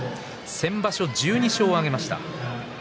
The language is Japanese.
先場所、１２勝を挙げました。